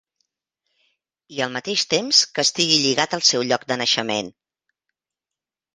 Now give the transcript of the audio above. I, al mateix temps, que estigui lligat al seu lloc de naixement.